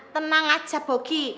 tenang aja bogi